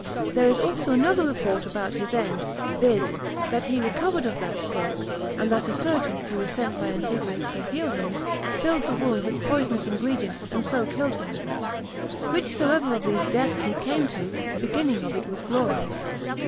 There is also another report about his end, viz. that he recovered of that stroke, and that a surgeon, who was sent by Antigonus to heal him, filled the wound with poisonous ingredients, and so killed him; whichsoever of these deaths he came to, the beginning of it was glorious.